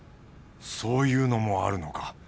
そういうのもあるのか。